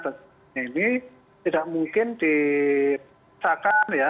dan sebagainya ini tidak mungkin dipaksakan